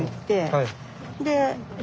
はい。